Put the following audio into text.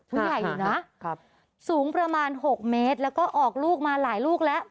ผู้ใหญ่อยู่นะสูงประมาณ๖เมตรแล้วก็ออกลูกมาหลายลูกแล้ว